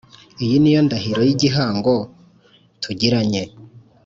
Iyiniyondahiro yigihango tugiranye